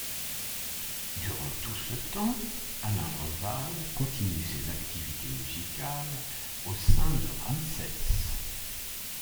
Durant tout ce temps, Alain Ranval continue ses activités musicales au sein de Ramses.